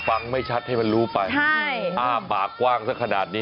ไม่ชัดให้มันรู้ไปอ้าปากกว้างสักขนาดนี้